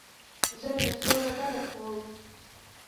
زه له شور ډډه کوم.